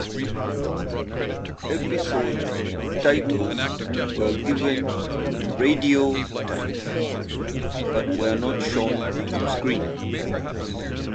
Episode titles were given in "Radio Times", but were not shown on screen.